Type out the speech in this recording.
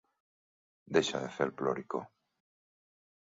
Deixa de fer el ploricó.